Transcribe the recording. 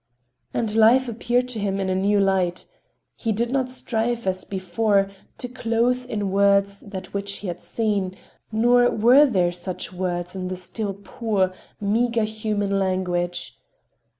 And life appeared to him in a new light. He did not strive, as before, to clothe in words that which he had seen; nor were there such words in the still poor, meager human language.